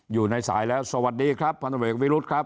อยู่ในสายแล้วสวัสดีครับพวิรุษรีสวัสดีครับ